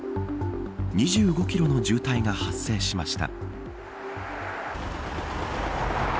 ２５キロの渋滞が発生しました。